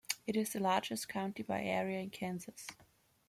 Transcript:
It is the largest county by area in Kansas.